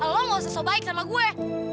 lo gak usah sebaik sama gue